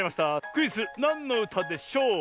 クイズ「なんのうたでしょう」！